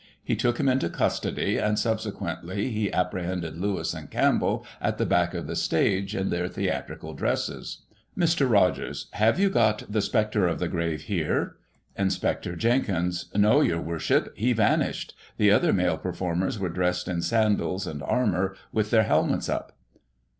He took him into custody, and, subsequently, he apprehended Lewis and Campbell, at the back of the stage, in their theatrical dresses. Mr. Rogers : Have you got " The Spectre of the Grave " here ? Inspector Jenkins: No, your Worship, he vanished. The other male performers were dressed in sandals and armour, with their helmets up.